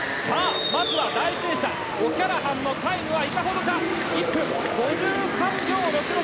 まずは第１泳者オキャラハンのタイムは１分５３秒６６。